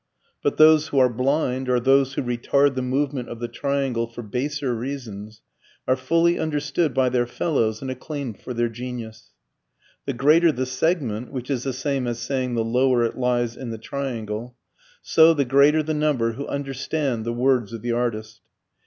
But those who are blind, or those who retard the movement of the triangle for baser reasons, are fully understood by their fellows and acclaimed for their genius. The greater the segment (which is the same as saying the lower it lies in the triangle) so the greater the number who understand the words of the artist.